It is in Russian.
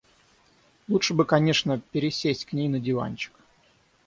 Лучше бы конечно пересесть к ней на диванчик.